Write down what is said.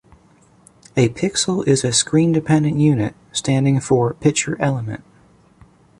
A pixel is a screen-dependent unit, standing for 'picture element'.